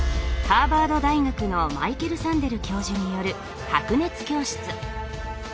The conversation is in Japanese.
ハーバード大学のマイケル・サンデル教授による「白熱教室」。